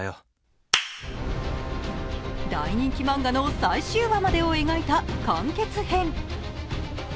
大人気漫画の最終話までをえがいた完結編。